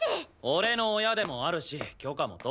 俺の親でもあるし許可も取った。